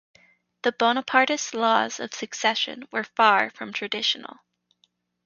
The Bonapartist laws of succession were far from traditional.